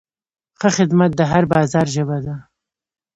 ښه خدمت د هر بازار ژبه ده.